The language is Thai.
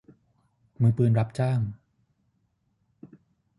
มือปืนรับจ้าง